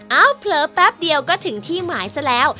เอ้าเผลอแป๊บเดียวก็ถึงที่หมายซะแล้ว